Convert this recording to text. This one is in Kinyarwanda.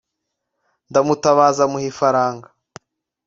ndamutabaza muha ifaranga.